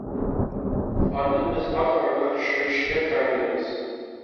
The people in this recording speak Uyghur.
ئاندىن بىز پات ئارىدا چۈشۈرۈشكە تەمىنلەيمىز.